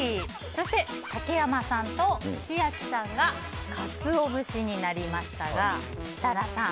そして、竹山さんと千秋さんがカツオ節になりましたが設楽さん。